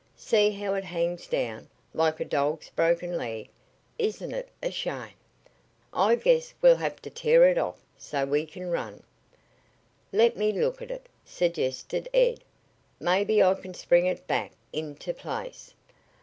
"See how it hangs down, like a dog's broken leg. Isn't it a shame? I guess we'll have to tear it off, so we can run." "Let me look at it," suggested Ed. "Maybe I can spring it back into place."